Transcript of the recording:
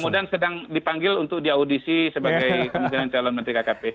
mudah mudahan sedang dipanggil untuk diaudisi sebagai kemudian calon menteri kkp